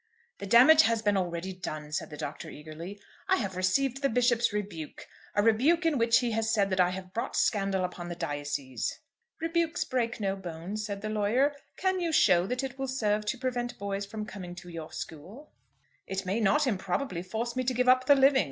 "The damage has been already done," said the Doctor, eagerly. "I have received the Bishop's rebuke, a rebuke in which he has said that I have brought scandal upon the diocese." "Rebukes break no bones," said the lawyer. "Can you show that it will serve to prevent boys from coming to your school?" "It may not improbably force me to give up the living.